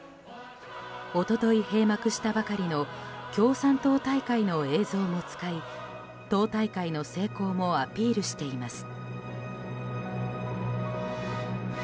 一昨日閉幕したばかりの共産党大会の映像も使い党大会の成功もアピールしています。